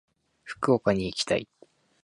福岡に行きたい。